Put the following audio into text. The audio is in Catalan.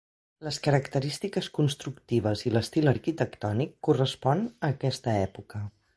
Les característiques constructives i l'estil arquitectònic correspon a aquesta època.